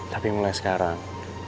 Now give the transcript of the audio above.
tapi mulai sekarang